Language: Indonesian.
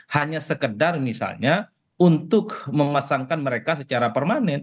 hanya sekedar misalnya untuk memasangkan mereka secara permanen